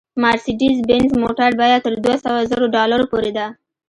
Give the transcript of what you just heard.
مارسېډیز بینز موټر بیه تر دوه سوه زرو ډالرو پورې ده